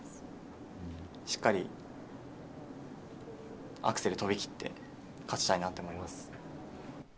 しっかりアクセル跳びきって勝ちたいなって思います。